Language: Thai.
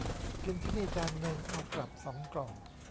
กินที่นี่จานนึง เอากลับสองกล่อง